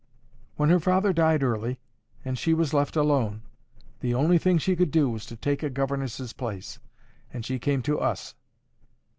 When her father died early, and she was left atone, the only thing she could do was to take a governess's place, and she came to us.